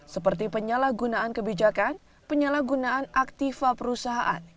seperti penyalahgunaan kebijakan penyalahgunaan aktifa perusahaan